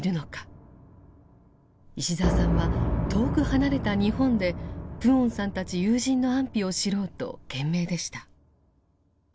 石澤さんは遠く離れた日本でプオンさんたち友人の安否を知ろうと懸命でした。